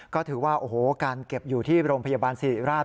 ก็ถือว่าโอ้โหการเก็บอยู่ที่โรงพยาบาลสิริราช